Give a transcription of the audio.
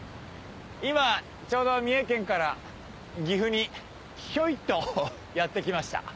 今ちょうど三重県から岐阜にひょいっとやって来ました。